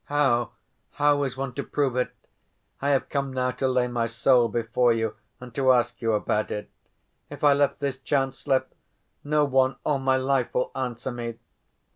How, how is one to prove it? I have come now to lay my soul before you and to ask you about it. If I let this chance slip, no one all my life will answer me.